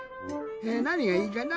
なにがいいかな。